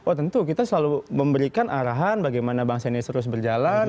oh tentu kita selalu memberikan arahan bagaimana bangsa ini terus berjalan